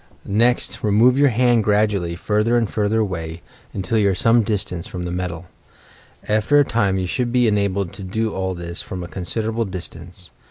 Next remove your hand gradually further YOUR PSYCHIC POWERS and further away, until you are some distance from the metal. After a time, you should be enabled to do all this from a considerable distance.